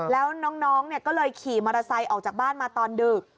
แล้วน้องก็เลยขี่มอเตอร์ไซค์ออกจากบ้านมาตอนดึก